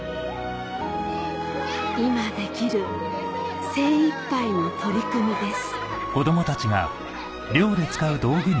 今できる精いっぱいの取り組みです